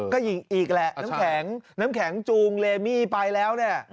ก็อีกแหละน้ำแข็งน้ำแข็งจูงเลมี่ไปแล้วเนี่ย